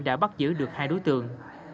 đã bắt giữ được hai đối tượng